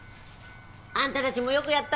あんたたちもよくやったね。